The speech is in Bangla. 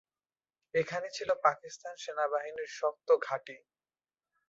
এখানে ছিল পাকিস্তান সেনাবাহিনীর শক্ত ঘাঁটি।